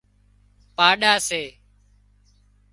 پاڏا سي